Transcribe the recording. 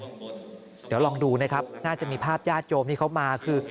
เดี๋ยวลองดูนะครับน่าจะมีภาพญาติโยมที่เขามาคือ